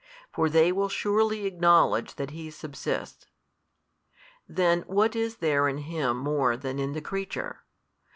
For they will surely acknowledge that He subsists. Then what is there in Him more than in the creature?